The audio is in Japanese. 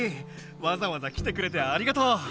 わざわざ来てくれてありがとう。